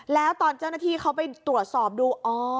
แล้วตอนเจ้าหน้าที่เขาไปตรวจสอบดู